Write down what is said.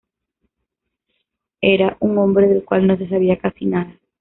Era un hombre del cual no se sabía casi nada.